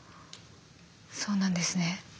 そうなんですね。